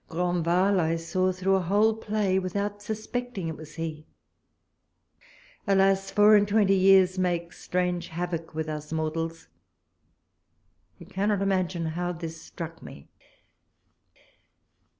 Grandval I saw through a whole play without suspecting it was he. Alas ! four and twenty years make strange havoc with us mortals I You cannot imagine how this struck me